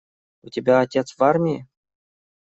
У тебя отец в армии?